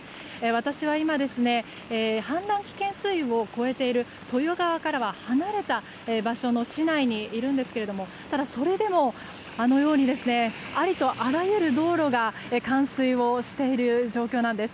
私は今氾濫危険水位を越えている豊川からは離れた場所の市内にいるんですがただそれでもありとあらゆる道路が冠水している状況なんです。